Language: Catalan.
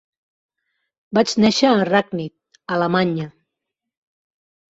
Va néixer a Ragnit, Alemanya.